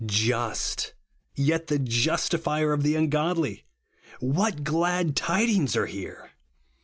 Just, yet the Justifier of the ungodly! What glad tidings are here